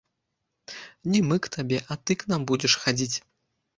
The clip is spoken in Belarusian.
Не мы к табе, а ты к нам будзеш хадзіць.